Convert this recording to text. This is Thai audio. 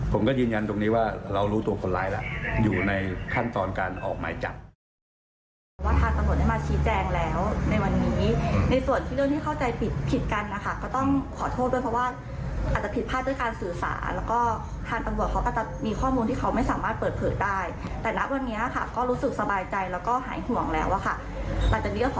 ผมก็ยืนยันตรงนี้ว่าเรารู้ตัวคนร้ายแล้วอยู่ในขั้นตอนการออกหมายจับ